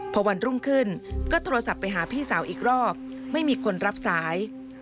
พอวันรุ่งขึ้นก็โทรศัพท์ไปหาพี่สาวอีกรอบไม่มีคนรับสาย